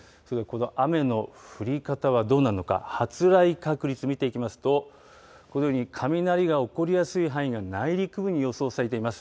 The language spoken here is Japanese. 雨の降り方はどうなるのか、発雷確率見ていきますと、このように雷が起こりやすい範囲が内陸にも予想されています。